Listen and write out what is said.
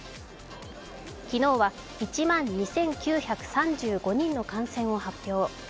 昨日は１万２９３５人の感染を発表。